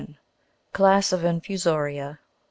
CLASS OF INFUSO'RIA.